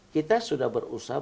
kita sudah berusaha